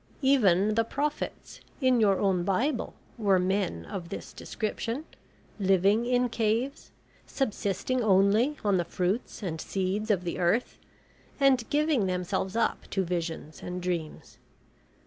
Even the prophets in your own Bible were men of this description, living in caves, subsisting only on the fruits and seeds of the earth, and giving themselves up to visions and dreams.